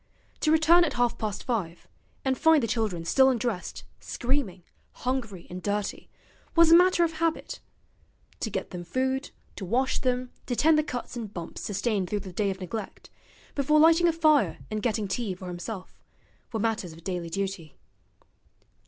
To return at half past five, and find the children still undressed, screaming, hungry and dirty, was a matter of habit: to get them food, to wash them, to tend the cuts and bumps sustained through the day of neglect, before lighting a fire and getting tea for himself, were matters of daily duty.